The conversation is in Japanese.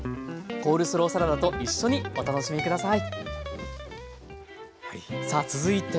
コールスローサラダと一緒にお楽しみ下さい。